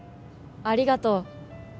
ありがとう。